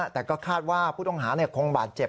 แต่ก็คาดว่าผู้ต้องหาคงบาดเจ็บ